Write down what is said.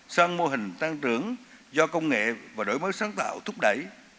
sang mô hình tăng trưởng do công nghệ và đổi mới sáng tạo thúc đẩy